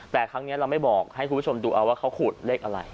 แต่ครั้งนี้เราไม่บอกให้คุณผู้ชมดูเอาว่าเขาขูดเลขอะไร